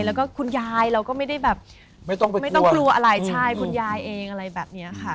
แล้วก็คุณยายเราก็ไม่ได้แบบไม่ต้องกลัวอะไรใช่คุณยายเองอะไรแบบนี้ค่ะ